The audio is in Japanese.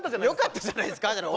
よかったじゃないですか。